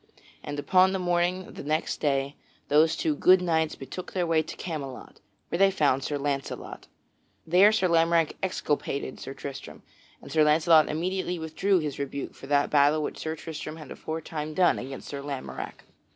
And upon the morning of the next day those two good knights betook their way to Camelot, where they found Sir Launcelot. There Sir Lamorack exculpated Sir Tristram, and Sir Launcelot immediately withdrew his rebuke for that battle which Sir Tristram had aforetime done against Sir Lamorack.